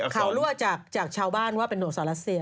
เขารั่วจากชาวบ้านว่าเป็นหนักถาวลาเซีย